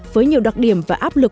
với nhiều đặc điểm và áp lực